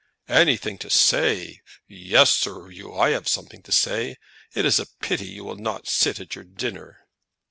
"Anything to say! Yes, Sir 'Oo, I have something to say. It is a pity you will not sit at your dinner."